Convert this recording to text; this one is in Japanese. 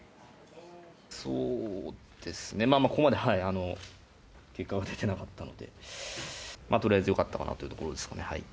そうですね、ここまで結果が出てなかったので、とりあえずよかったかなというところですね。